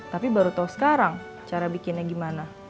tapi baru tahu sekarang cara bikinnya gimana